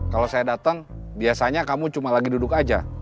kalau saya datang biasanya kamu cuma lagi duduk aja